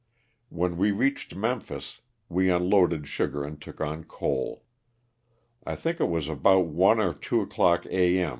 When we reached Memphis we unloaded sugar and took on coal. I think it was about one or two o'clock a. m.